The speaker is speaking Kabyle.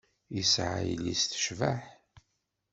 Yesɛa yelli-s tecbeḥ.